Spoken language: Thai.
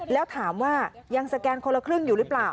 แล้วถามว่ายังสแกนคนละครึ่งอยู่หรือเปล่า